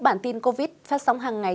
bản tin covid phát sóng hàng ngày